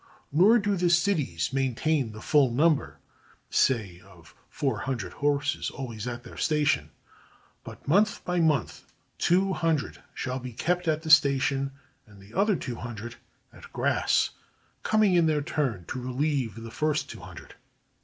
Nor do the cities maintain the full number, say of four hundred horses, always at their station, but month by month two hundred shall be kept at the station, and ii6 HOW THE KHAN SENT HIS MESSAGES the other two hundred at grass, coming in their turn to relieve the first two hundred.